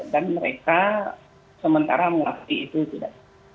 dan mereka sementara mengaktifkan itu juga